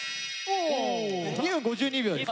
２分５２秒です。